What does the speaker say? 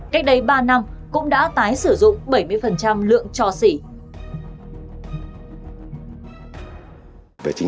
cách đây ba năm cũng đã tái sử dụng bảy mươi lượng cho xỉ